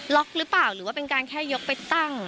หรือเปล่าหรือว่าเป็นการแค่ยกไปตั้ง